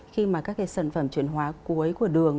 khi mà các cái sản phẩm chuyển hóa cuối của đường